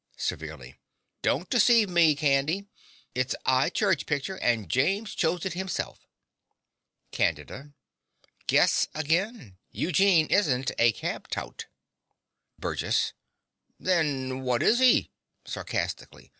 (Severely.) Don't deceive me, Candy: it's a 'Igh Church pictur; and James chose it hisself. CANDIDA. Guess again. Eugene isn't a cab tout. BURGESS. Then wot is he? (Sarcastically.)